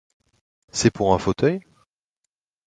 C’est pour un fauteuil ?